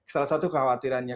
salah satu khawatirannya